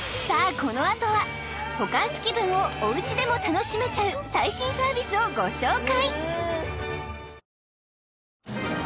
このあとはホカンス気分をおうちでも楽しめちゃう最新サービスをご紹介！